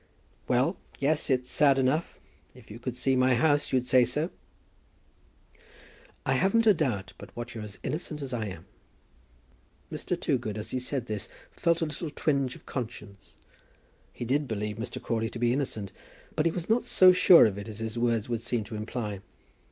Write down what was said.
"Well, yes, it's sad enough. If you could see my house, you'd say so." "I haven't a doubt but what you're as innocent as I am." Mr. Toogood, as he said this, felt a little twinge of conscience. He did believe Mr. Crawley to be innocent, but he was not so sure of it as his words would seem to imply.